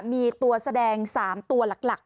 มีตัวแสดง๓ตัวหลัก